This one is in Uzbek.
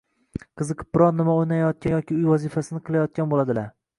qiziqib biron nima o‘ynayotgan yoki uy vazifalarini qilayotgan bo‘ladilar.